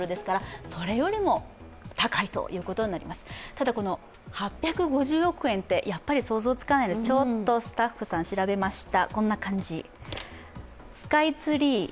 ただ、この８５０億円というのはやっぱり想像つかないのでちょっとスタッフさん調べました。